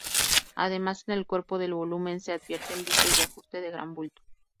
Además, en el cuerpo del volumen se advierten vicios de ajuste de gran bulto.